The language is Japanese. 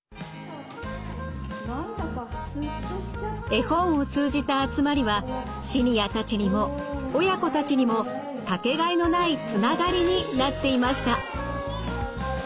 絵本を通じた集まりはシニアたちにも親子たちにも掛けがえのないつながりになっていました。